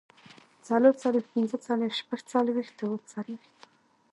څلورڅلوېښت، پينځهڅلوېښت، شپږڅلوېښت، اووهڅلوېښت